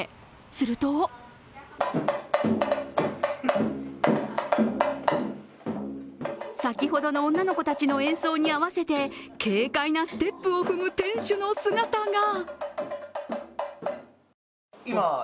すると先ほどの女の子たちの演奏に合わせて軽快なステップを踏む店主の姿が。